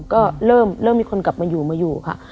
ก็เริ่มมีคนกลับมาอยู่ค่ะ